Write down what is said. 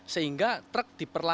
sehingga truk diperlukan